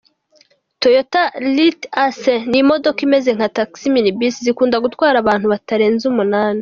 Toyota LiteAce, ni imodoka imeze nka Taxi Minibus zikunda gutwara abantu batarenze umunani.